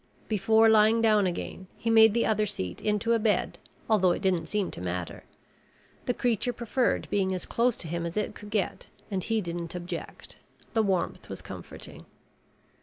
Before lying down again, he made the other seat into a bed, although it didn't seem to matter. The creature preferred being as close to him as it could get and he didn't object. The warmth was comforting.